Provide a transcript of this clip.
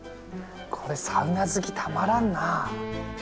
これサウナ好きたまらんな。